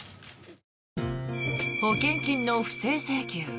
保険金の不正請求。